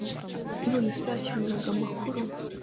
None se yakeneraga amakuru?